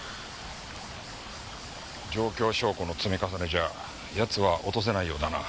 状況証拠の積み重ねじゃ奴は落とせないようだな。